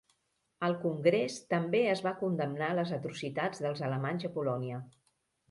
Al congrés també es va condemnar les atrocitats dels alemanys a Polònia.